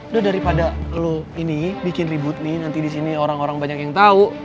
udah daripada lo ini bikin ribut nih nanti disini orang orang banyak yang tau